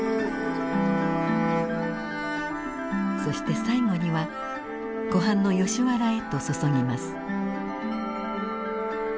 そして最後には湖畔のヨシ原へと注ぎます。